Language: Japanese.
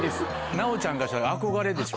奈央ちゃんからしたら憧れでしょ。